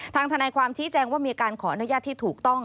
ทนายความชี้แจงว่ามีการขออนุญาตที่ถูกต้อง